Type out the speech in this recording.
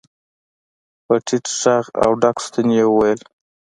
په ټيټ غږ او ډک ستوني يې وويل.